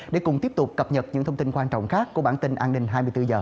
để cùng tiếp tục cập nhật những thông tin quan trọng khác của bản tin an ninh hai mươi bốn h